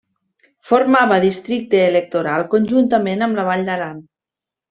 Formava districte electoral conjuntament amb la Vall d'Aran.